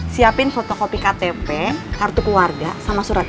siapin fotokopi ktp kartu keluarga sama surat